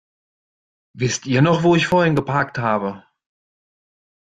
Wisst ihr noch, wo ich vorhin geparkt habe?